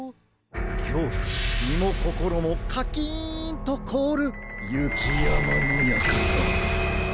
きょうふみもこころもカキンとこおるゆきやまのやかた。